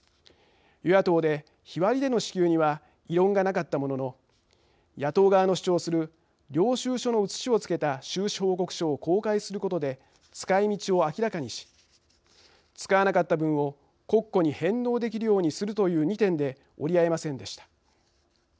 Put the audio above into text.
与野党で、日割りでの支給には異論がなかったものの野党側の主張する領収書の写しをつけた収支報告書を公開することで使いみちを明らかにし使わなかった分を国庫に返納できるようにするという２点で折り合いませんでした。